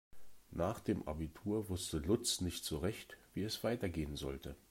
Nach dem Abitur wusste Lutz nicht so recht, wie es weitergehen sollte.